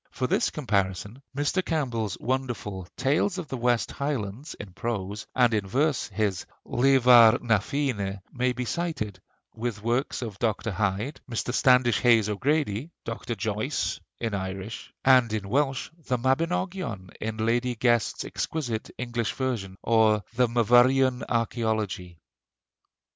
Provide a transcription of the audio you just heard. For this comparison Mr. Campbell's wonderful 'Tales of the West Highlands,' in prose, and in verse his 'Leabhar na Féinne,' may be cited, with works of Dr. Hyde, Mr. Standish Hayes O'Grady, Dr. Joyce, in Irish; and in Welsh, the 'Mabinogion' in Lady Guest's exquisite English version, or the 'Myvyrian Archæology.'